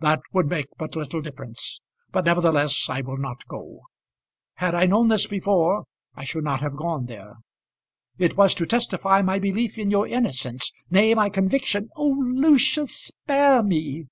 "That would make but little difference. But nevertheless I will not go. Had I known this before I should not have gone there. It was to testify my belief in your innocence; nay, my conviction " "Oh, Lucius, spare me!"